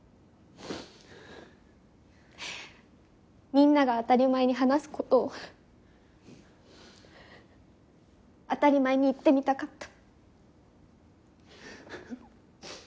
みんなが当たり前に話すことを当たり前に言ってみたかった。